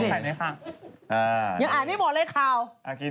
เฮ้ยพี่